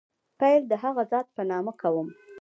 پیل د هغه ذات په نامه کوم.